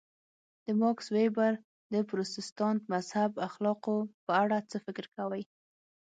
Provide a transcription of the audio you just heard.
د ماکس وېبر د پروتستانت مذهب اخلاقو په اړه څه فکر کوئ.